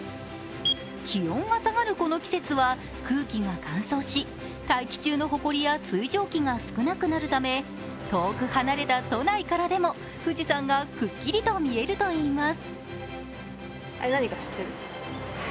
気温が下がるこの季節は空気が乾燥し、大気中のほこりや水蒸気が少なくなるため遠く離れた都内からでも富士山がくっきりと見えるといいます。